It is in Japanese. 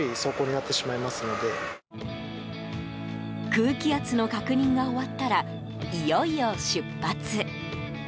空気圧の確認が終わったらいよいよ出発。